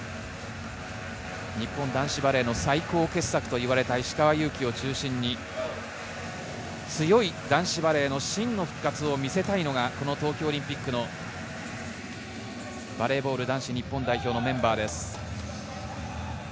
日本男子バレーの最高傑作といわれた石川祐希を中心に強い男子バレーの真の復活を見せたいのがこの東京オリンピックのバレーボール男子日本代表のメンバーです。